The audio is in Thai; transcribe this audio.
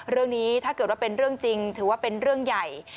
เรื่องนี้ถ้าเกิดว่าเป็นเรื่องจริงถือว่าเป็นเรื่องใหญ่